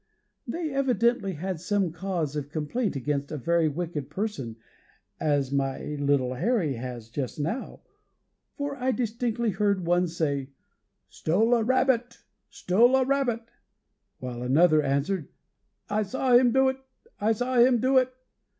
They evidently had some cause of complaint against a very wicked person, as my little Harry has just now, for I distinctly heard one say, 'Stole a rabbit, stole a rabbit;' while another answered, 'I saw him do it, I saw him do it.'